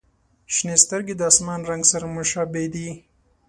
• شنې سترګې د آسمان رنګ سره مشابه دي.